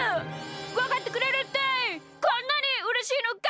わかってくれるってこんなにうれしいのか！